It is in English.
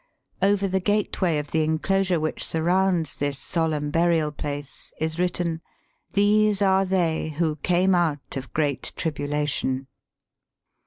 Over the gateway of the enclosure which surrounds this solemn burial place is written —" These are they who came out of great tribulation."